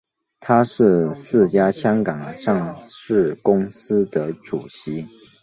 他是四家香港上市公司的主席。